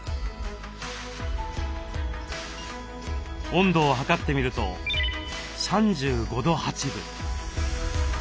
温度を測ってみると３５度８分。